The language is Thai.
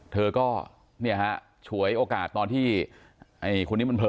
เธอก็เนี่ยฮะฉวยโอกาสตอนที่ไอ้คนนี้มันเผลอ